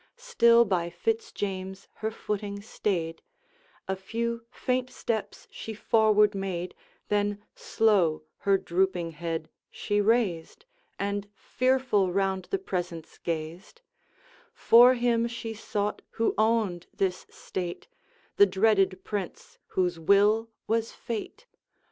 Still by Fitz James her footing staid; A few faint steps she forward made, Then slow her drooping head she raised, And fearful round the presence gazed; For him she sought who owned this state, The dreaded Prince whose will was fate!